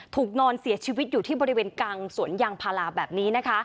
นอนเสียชีวิตอยู่ที่บริเวณกลางสวนยางพาราแบบนี้นะคะ